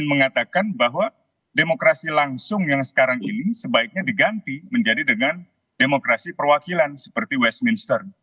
mengatakan bahwa demokrasi langsung yang sekarang ini sebaiknya diganti menjadi dengan demokrasi perwakilan seperti westminster